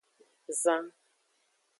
Zan.